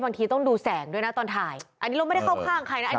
บางทีต้องดูแสงด้วยนะตอนถ่ายอันนี้เราไม่ได้เข้าข้างใครนะอันนี้